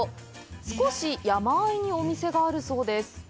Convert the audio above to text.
少し山あいにお店があるそうです。